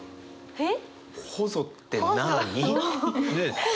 えっ？